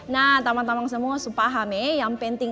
nah teman teman semua saya paham ya